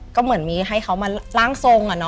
ก็เหมือนมีให้เขามาร่างทรง